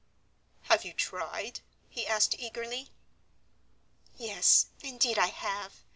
"Have you tried?" he asked eagerly. "Yes, indeed I have.